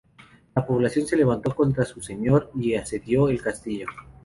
La población se levantó contra su señor y asedió el castillo.